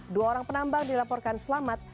dua orang penambang dilaporkan selamat